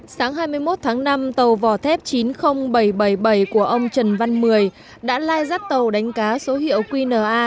sáng hai mươi một tháng năm tàu vỏ thép dna chín mươi nghìn bảy trăm bảy mươi bảy của ông trần văn mười đã lai rắt tàu đánh cá số hiệu qna chín mươi nghìn bảy trăm bốn mươi chín